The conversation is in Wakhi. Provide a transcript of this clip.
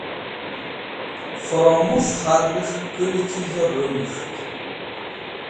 Fromush khalgẽs̃h kulẽchizẽ rũmus̃ht